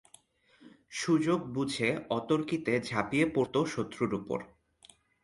সুযোগ বুঝে অতর্কিতে ঝাঁপিয়ে পড়ত শত্রুর ওপর।